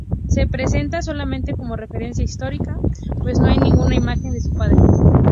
Se presenta solamente como referencia histórica, pues no hay ninguna imagen de su padre.